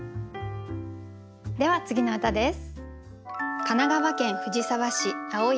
では次の歌です。